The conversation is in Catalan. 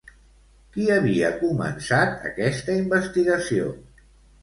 Qui havia començat aquesta investigació?